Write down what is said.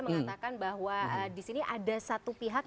mengatakan bahwa disini ada satu pihak